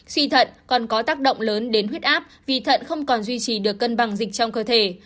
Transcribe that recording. suy thận còn có tác động lớn đến huyết áp vì thận không còn duy trì được cân bằng dịch trong cơ thể